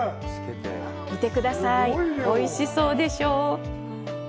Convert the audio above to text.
見てください、おいしそうでしょ！